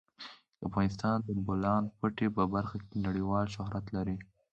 افغانستان د د بولان پټي په برخه کې نړیوال شهرت لري.